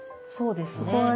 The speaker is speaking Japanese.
そうですね。